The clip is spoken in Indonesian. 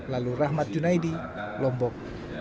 lalu rahmat junaidi lombok